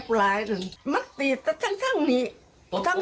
บอกว่าจาบคอนมันหรือยังมันระฟาด